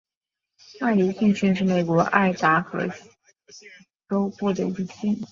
麦迪逊县是美国爱达荷州东部的一个县。